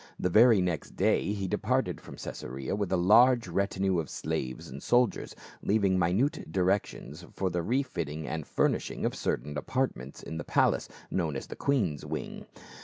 The very next day he departed from Caesarea with a large retinue of slaves and soldiers, leaving minute directions for the refitting and furnishing of certain apartments in the palace, known as the queen's wing.